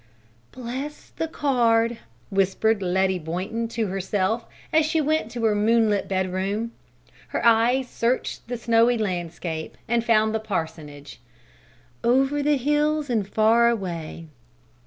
"Bless the card!" whispered Letty Boynton to herself as she went to her moonlit bedroom. Her eyes searched the snowy landscape and found the parsonage, "over the hills and far away."